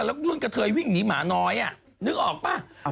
แล้วรุ่นกระเทยวิ่งหนีหมาน้อยนึกออกป่ะ